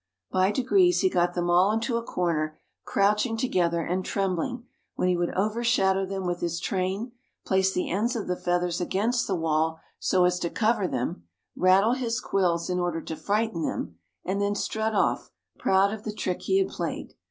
By degrees he got them all into a corner, crouching together and trembling when he would overshadow them with his train, place the ends of the feathers against the wall so as to cover them, rattle his quills, in order to frighten them, and then strut off proud of the trick he had played.